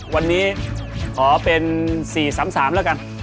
วันนี้ขอเป็น๔๓๓แล้วกัน